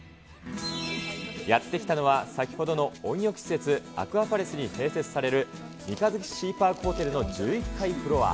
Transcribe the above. やって来たのは、先ほどの温浴施設、アクアパレスに併設される、三日月シーパークホテルの１１階フロア。